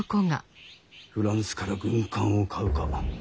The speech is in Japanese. フランスから軍艦を買うか。